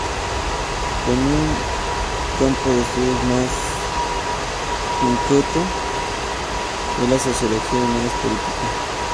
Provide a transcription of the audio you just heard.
Son un campo de estudios más centrado en la sociología y menos político.